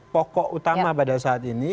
pokok utama pada saat ini